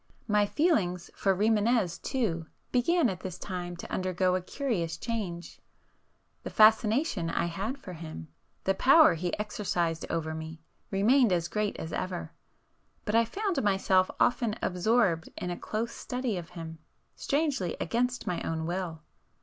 My feelings for Rimânez too began at this time to undergo a curious change. The fascination I had for him, the power he exercised over me remained as great as ever, but I found myself often absorbed in a close study of him, strangely against my own will.